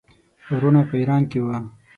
وروڼه په ایران کې وه.